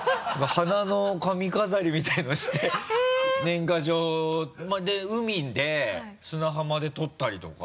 花の髪飾りみたいなのして年賀状えぇ！で海で砂浜で撮ったりとか。